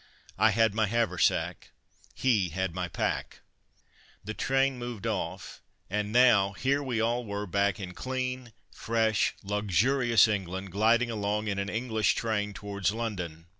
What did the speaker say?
I had my haversack he had my pack. The train moved off, and now here we all were back in clean, fresh, luxurious England, gliding along in an English train towards London.